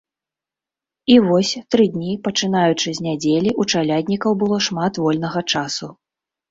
І вось, тры дні, пачынаючы з нядзелі, у чаляднікаў было шмат вольнага часу.